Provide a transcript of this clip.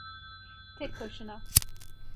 Tek başına!